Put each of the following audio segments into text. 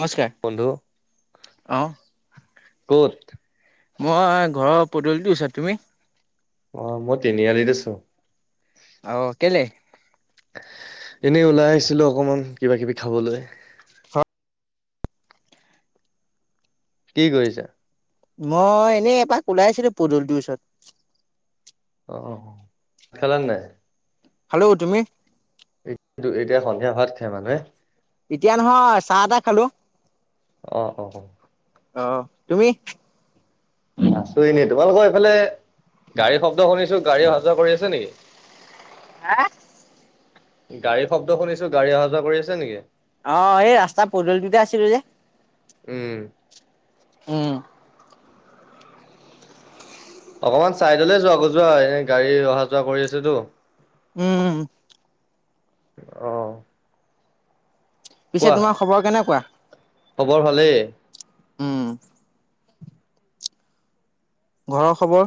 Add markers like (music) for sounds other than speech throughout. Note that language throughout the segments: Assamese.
নমস্কাৰ। বন্ধু অ' ক'ত? মই ঘৰৰ পদূলিটোৰ ওচৰত। তুমি? অ', মই তিনিআলিত আছোঁ। অ'হ কেলে? এনেই ওলাই আহিছিলোঁ অকণমান কিবা-কিবি খাবলৈ। কি কৰিছা? মই এনেই এপাক ওলাই আহিছিলোঁ পদূলিটোৰ ওচৰত। অ', খেলা নে নাই? হেল্ল', তুমি এতিয়া সন্ধিয়া, ভাত খাই মানুহে? এতিয়া নহয়, চাহ-তাহ খালো। অ অ অ'হ তুমি? আছোঁ এনে, তোমালোকৰ এইফালে গাড়ীৰ শব্দ শুনিছোঁ, গাড়ী অহা-যোৱা কৰি আছে নেকি? হা গাড়ীৰ শব্দ শুনিছোঁ, গাড়ী অহা-যোৱা কৰি আছে নেকি? অ', এই ৰাস্তা পদূলিটোতে আছিলোঁ যে উম উম। অকণমান চাইডলৈ যোৱাগৈ যোৱা, এনেই গাড়ী অহা-যোৱা কৰি আছেতো উ'ম। অ'। পিছে কোৱা তোমাৰ খবৰ কেনেকুৱা? খবৰ ভালেই উম, ঘৰৰ খবৰ।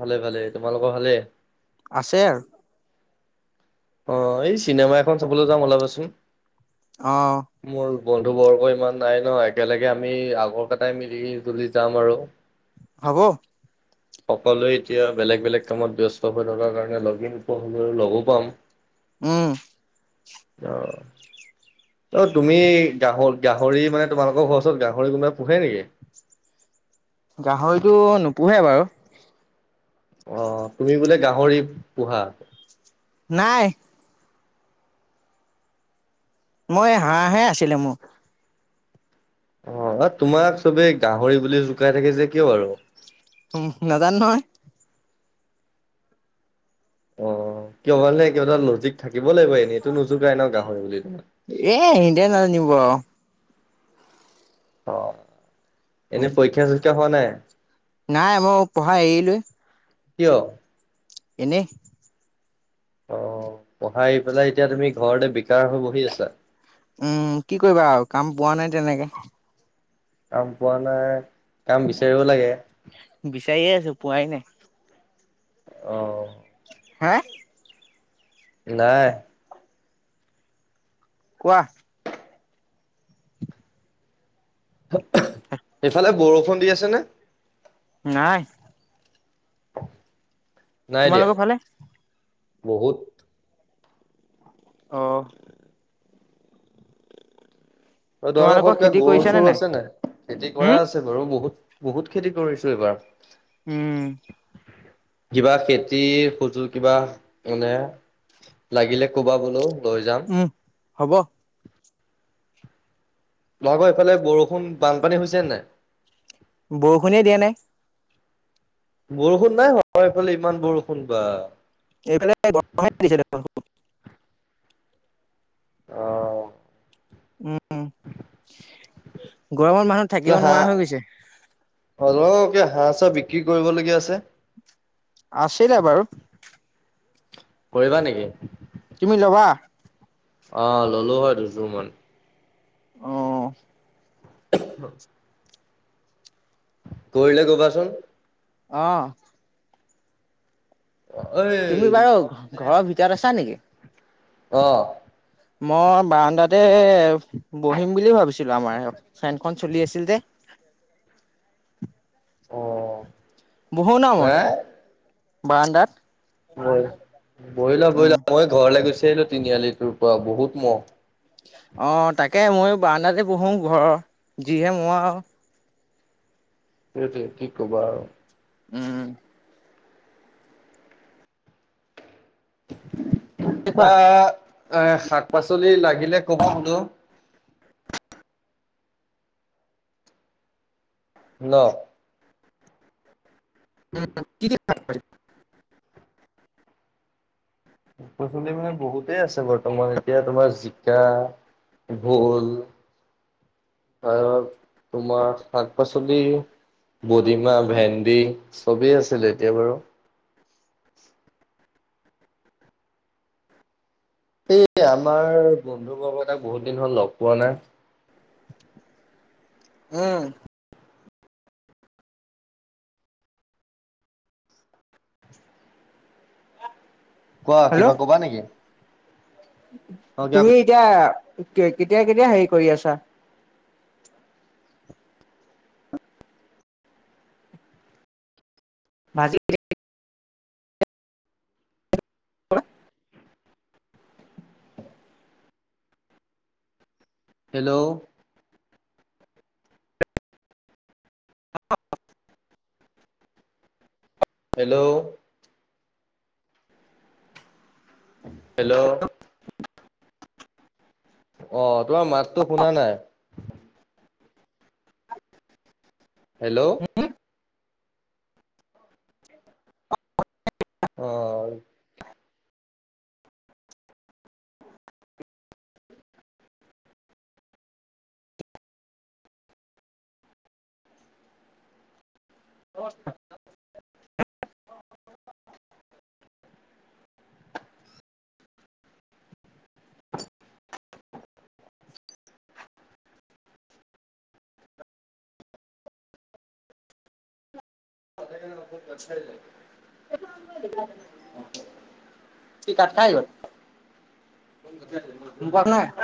ভালে ভালে তোমালোকৰ ভালে। আছে আৰু। অ, এই চিনেমা এখন চাবলৈ যাম ওলাবাচোন। অ' মোৰ বন্ধু বৰ্গ ইমান নাই ন একেলগে আমি আগৰ কেইটাই মিলি তুলি যাম আৰু। হ'ব। সকলোৱে এতিয়া বেলেগ বেলেগ কামত ব্যস্ত হৈ থকাৰ কাৰণে লগ ইন হলেও লগো পাম। উম। অঁ। অ তুমি গাহল গাহৰি মানে তোমালোকৰ ঘৰৰ ওচৰত গাহৰি কোনোবাই পোহে নেকি? গাহৰিটো নোপোহে বাৰু। অ', তুমি বোলে গাহৰি পোহা। নাই। মই হাঁহহে আছিলে মোৰ। অ, তোমাক চবে গাহৰি বুলি জুকাই থাকে যে কিয় আৰু। উম নাজানো নহয়। অ, কিয় মানে কিবা এটা লজিক থাকিব লাগিব এনেইটো নোযুকাই ন গাহৰি বুলি তোমাক। এ সিহঁতে নাজানিব আৰু। অ'। পৰীক্ষা চৰীক্ষা হোৱা নাই নাই মই পঢ়াই এৰিলোৱে। কিয়? এনেই অ', পঢ়াই পেলাই এতিয়া তুমি ঘৰতে বিকাৰ হৈ বহি আছা। উম, কি কৰিবা আৰু কাম পোৱা নাই তেনেকে। কাম পোৱা নাই। কাম উম, বিচাৰিব লাগে বিচাৰিয়ে আছো পোৱাই নাই। অ'। হা! নাই। কোৱা। সেফালে বৰষুণ দি আছে নে? নাই। (inaudible) নাই দিয়া তোমালোকৰ ফালে বহুত। অ'। তো আগৰ তোমালোকৰ ঘৰত কিবা খেতি গৰু কৰিছানে চৰু আছে নাই খেতি কৰা হুম আছে বাৰু বহুত। বহুত খেতি কৰিছো এইবাৰ। উম। কিবা খেতিৰ সজুল কিবা মানে লাগিলে কবা বোলো লৈ যাম। হ'ব। তোমালোকৰ এইফালে বৰষুণ বানপানী হৈছে নাই। বৰষুণে দিয়া নাই। বৰষুণ নাই হয় এইফালে ইমান বৰষুণ বা। এইফালে বৰ দিছে দে (inaudible) অঁ। (inaudible) গৰমত মানুহ থাকিব বোলে নোৱাৰা হৈ গৈছে। হাঁহ (unintelligible) হাঁহ চাহ বিক্ৰী কৰিবলগীয়া আছে। আছিলে বাৰু। কৰিবা নেকি? তুমি ল'বা? অ', ল'লো হয় দুইযোৰ মান। অ', (unintelligible) কৰিলে ক'বাচোন। অ', ঐ তুমি বাৰু, মই মানে ঘৰৰ ভিতৰত আছা নেকি? অ', মই বাৰাণ্ডাতে, বহিম বুলি ভাবিছিলোঁ আমাৰ ফেন খন চলি আছিল যে। অ', বহো ন' মই, বাৰাণ্ডাত। বহ বহি ল বহি উম ল মই ঘৰলে গুচি আহিলো তিনিআলি তোৰ পৰা বহুত মহ অ তাকে ময়ো বাৰ্ডাতে বহো ঘৰৰ যিহে মহ আও সেইটোৱে কি কবা আৰু উম কিবা এ শাক পাচলি লাগিলে কবা বোলো ন কি দি (inaudible) শাক পাচলি মানে বহুতেই আছে বৰ্তমান এতিয়া তোমাৰ জিকা ভুল আৰু তোমাৰ শাক - পাচলি বদিমা ভেন্দি চবেই আছিল এতিয়া বাৰু সেই আমাৰ বন্ধুবৰ্গ তাক বহুত দিন হল লগ পোৱা নাই উম (inaudible) কোৱা হেল্ল' কিবা কবা নেকি? অ' কিবা তুমি এতিয়া কেতিয়া কেতিয়া হেৰি কৰি আছা বাজি (inaudible) (unintelligible) হেল্ল' হেল্ল' হেল্ল' অহ তোমাৰ মাতটো শুনা নাই হেল্ল' অ (unintelligible) (unintelligible) কি খাই গ'ল শুনি পোৱা নাই